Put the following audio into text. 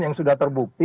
yang sudah terbukti